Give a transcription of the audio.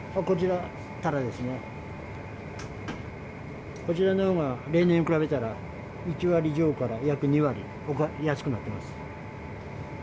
こちらのほうが、例年に比べたら、１割上から約２割、安くなってます。